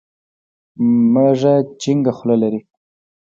مږه چينګه خوله لري.